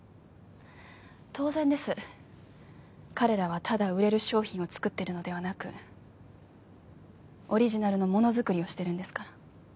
当然です彼らはただ売れる商品を作ってるのではなくオリジナルのものづくりをしてるんですから